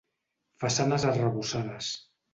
Façanes arrebossades.